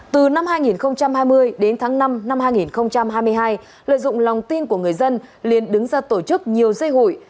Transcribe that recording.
từ năm hai nghìn hai mươi đến tháng năm năm hai nghìn hai mươi hai lợi dụng lòng tin của người dân liên đứng ra tổ chức nhiều dây hụi